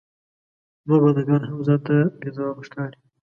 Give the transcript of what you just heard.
نور بنده ګان هم ځان ته بې ځوابه ښکاري.